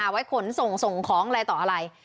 ไว้ขนส่งส่งของอะไรต่ออะไร